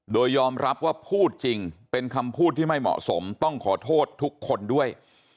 โดยยอมรับว่าพูดจริงเป็นคำพูดที่ไม่เหมาะสมต้องขอโทษทุกคนด้วย